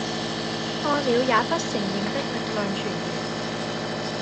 錯了也不承認的力量泉源